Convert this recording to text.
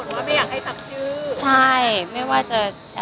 ก็เลยเป็นเหตุผลว่าไม่อยากให้สักชื่อ